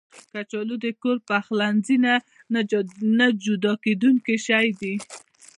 کچالو د کور پخلنځي نه جدا کېدونکی شی دی